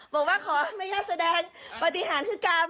บอกว่าแม่ย่าแสดงปฏีหารคือกรรม